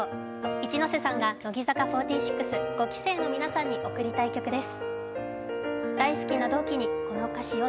一ノ瀬さんが乃木坂４６、５期生の皆さんに贈りたい曲です。